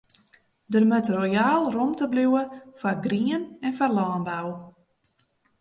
Der moat royaal rûmte bliuwe foar grien en foar lânbou.